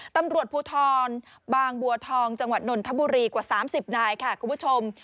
ตำรวจภูทรบางบัวทองจังหวัดนนทบุรีกว่า๓๐นายค่ะคุณผู้ชม